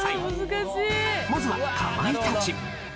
まずはかまいたち。